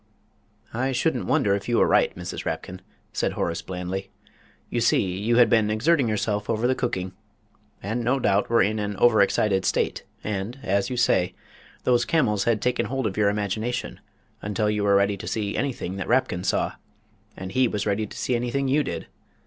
"I shouldn't wonder if you were right, Mrs. Rapkin," said Horace blandly; "you see, you had been exerting yourself over the cooking, and no doubt were in an over excited state, and, as you say, those camels had taken hold of your imagination until you were ready to see anything that Rapkin saw, and he was ready to see anything you did.